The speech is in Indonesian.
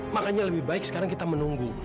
makanya lebih baik sekarang kita menunggu